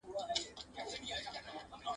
چي یې تباه سول کلي کورونه !.